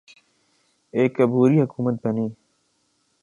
ایک عبوری حکومت بنی۔